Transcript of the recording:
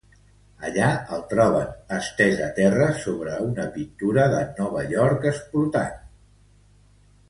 Allà el troben estés a terra sobre una pintura de Nova York explotant.